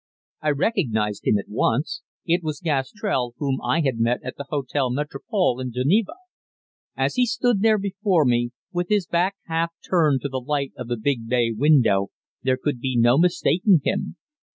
I recognized him at once. It was Gastrell, whom I had met at the Hotel Metropol in Geneva. As he stood there before me, with his back half turned to the light of the big bay window, there could be no mistaking him.